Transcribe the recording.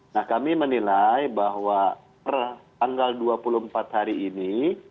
nah kami menilai bahwa per tanggal dua puluh empat hari ini